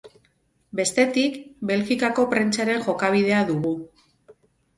Bestetik, Belgikako prentsaren jokabidea dugu.